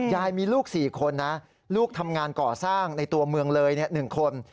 ยายมีลูก๔คนนะลูกทำงานก่อสร้างในตัวเมืองเลย๑คน